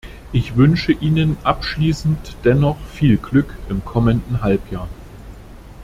Ich wünsche Ihnen abschließend dennoch viel Glück im kommenden Halbjahr.